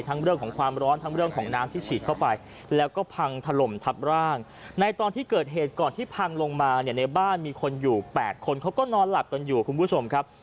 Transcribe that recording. เรื่องของความร้อนทั้งเรื่องของน้ำที่ฉีดเข้าไปแล้วก็พังถล่มทับร่างในตอนที่เกิดเหตุก่อนที่พังลงมาเนี่ยในบ้านมีคนอยู่๘คนเขาก็นอนหลับกันอยู่คุณผู้ชมครับ